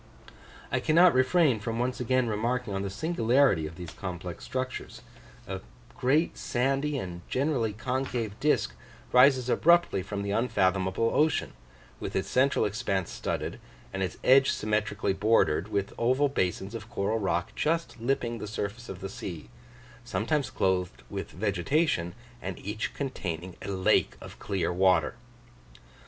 I cannot refrain from once again remarking on the singularity of these complex structures a great sandy and generally concave disk rises abruptly from the unfathomable ocean, with its central expanse studded, and its edge symmetrically bordered with oval basins of coral rock just lipping the surface of the sea, sometimes clothed with vegetation, and each containing a lake of clear water!